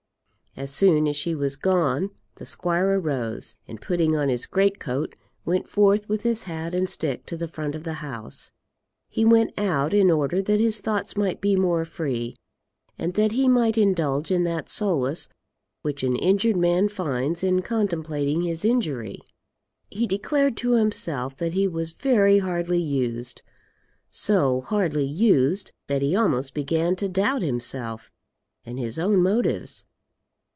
As soon as she was gone the squire arose, and putting on his great coat, went forth with his hat and stick to the front of the house. He went out in order that his thoughts might be more free, and that he might indulge in that solace which an injured man finds in contemplating his injury. He declared to himself that he was very hardly used, so hardly used, that he almost began to doubt himself and his own motives.